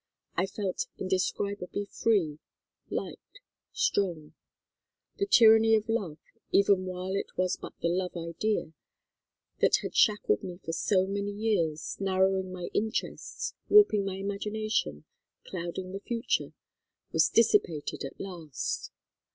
I felt indescribably free, light, strong. The tyranny of love, even while it was but the love idea, that had shackled me for so many years, narrowing my interests, warping my imagination, clouding the future, was dissipated at last.